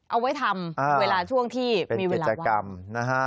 เอาไว้ทำเวลาช่วงที่เป็นกิจกรรมนะฮะ